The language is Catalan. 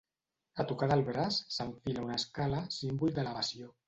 A tocar del braç s'enfila una escala, símbol d'elevació.